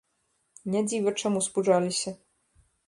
Не дзіва, чаму спужаліся.